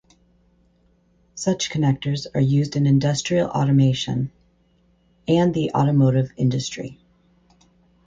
Such connectors are used in industrial automation and the automotive industry.